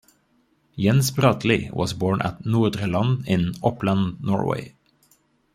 Jens Bratlie was born at Nordre Land in Oppland, Norway.